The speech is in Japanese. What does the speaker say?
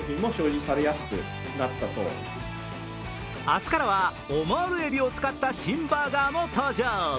明日からはオマールえびを使った新バーガーも登場。